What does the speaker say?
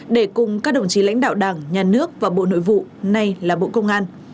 để cùng các đồng chí lãnh đạo đảng nhà nước và bộ nội vụ nay là bộ công an